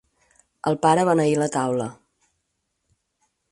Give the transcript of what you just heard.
El pare beneí la taula.